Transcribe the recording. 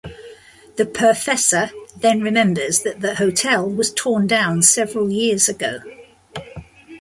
The Perfesser then remembers that the hotel was torn down several years ago.